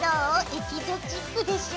エキゾチックでしょ？